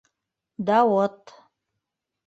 Дауыт.